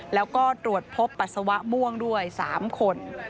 แล้วก็ตรวจพบปัสสาวะม่วงด้วย๓คน